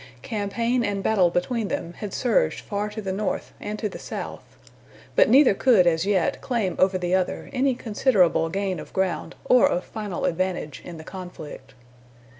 Campaign and battle between them had surged far to the north and to the south, but neither could as yet claim over the other any considerable gain of ground or of final advantage in the conflict.